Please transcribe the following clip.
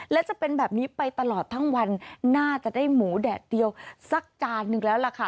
และจะเป็นแบบนี้ไปตลอดทั้งวันน่าจะได้หมูแดดเดียวสักจานนึงแล้วล่ะค่ะ